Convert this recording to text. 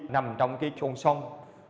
nằm trong cái chôn sông